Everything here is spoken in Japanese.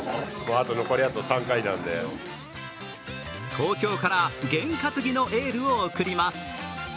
東京から験担ぎのエールを送ります。